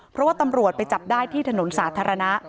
เพราะว่าตำรวจไปจับได้ที่ถนนสาธารณะ